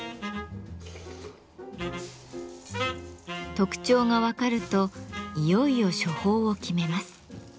特徴が分かるといよいよ処方を決めます。